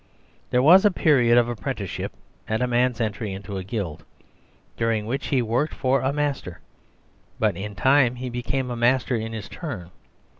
There was a period of apprenticeship at a man's entry into a Guild, during which he worked for a master ; but in time he became a master in his turn.